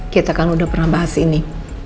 kita kan udah pernah bahas ini